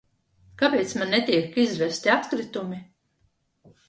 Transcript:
Kāpēc man netiek izvesti atkritumi?